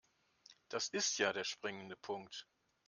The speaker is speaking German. Das ist ja der springende Punkt.